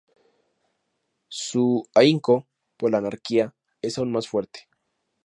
Su ahínco por la anarquía es aún más fuerte.